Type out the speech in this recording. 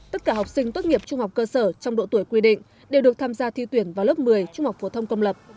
tất cả học sinh tốt nghiệp trung học cơ sở trong độ tuổi quy định đều được tham gia thi tuyển vào lớp một mươi trung học phổ thông công lập